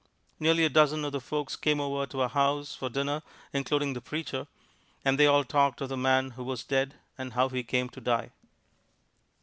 Nearly a dozen of the folks came over to our house for dinner, including the preacher, and they all talked of the man who was dead and how he came to die.